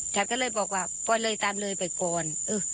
ฉันก็เลยบอกว่าปอนเลยตามเลยไปก่อน